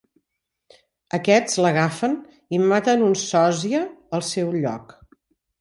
Aquests l'agafen i maten un sòsia al seu lloc.